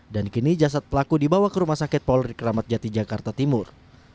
dan kini jasad pelaku dibawa ke rumah sakit polri keramat jati jakarta timur